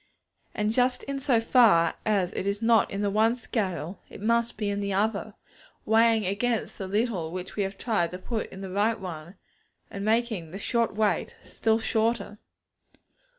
And just in so far as it is not in the one scale, it must be in the other; weighing against the little which we have tried to put in the right one, and making the short weight still shorter.